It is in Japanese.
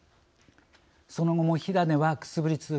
その後も火種はくすぶり続け